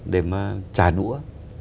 để mà trả đũa